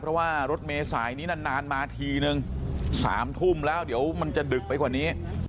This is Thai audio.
เพราะว่ารถเมษายนี้นานมาทีนึง๓ทุ่มแล้วเดี๋ยวมันจะดึกไปกว่านี้